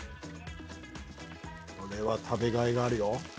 これは食べがいがあるよ。